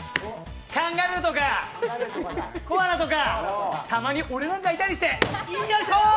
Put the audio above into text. カンガルーとかコアラとか、たまに俺なんかいたりして！